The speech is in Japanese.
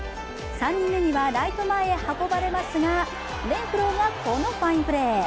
３人目にはライト前へ運ばれますがレンフローがこのファインプレー。